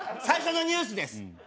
最初のニュースです。